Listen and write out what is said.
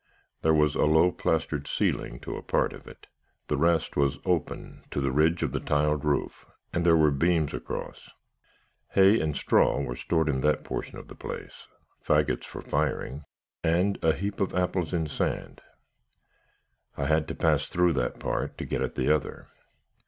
There was a low plastered ceiling to a part of it; the rest was open, to the ridge of the tiled roof, and there were beams across. Hay and straw were stored in that portion of the place, fagots for firing, and a heap of apples in sand. I had to pass through that part, to get at the other.